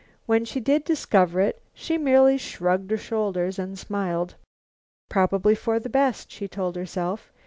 When she did discover it, she merely shrugged her shoulders and smiled: "Probably for the best," she told herself.